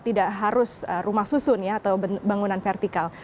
tidak harus rumah susun atau bangunan vertikal